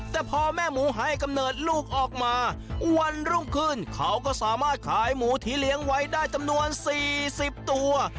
แต่พอแม่หมูให้กำเนิดลูกออกมาวันรุ่งขึ้นเขาก็สามารถขายหมูที่เลี้ยงไว้ได้จำนวน๔๐ตัว